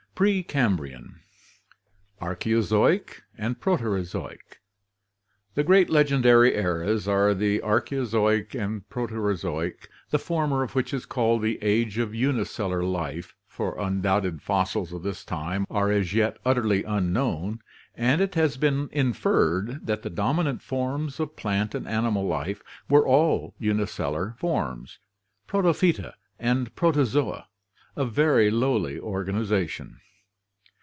Pre Cambrian Archeozoic and Proterozoic. — The great legendary eras are the Archeozoic and Proterozoic, the former of which is called the Age of Unicellular Life, for undoubted fossils of this time are as yet utterly unknown and it has been inferred that the dominant forms of plant and animal life were all unicellular forms, Protophyta and Protozoa, of very lowly organization.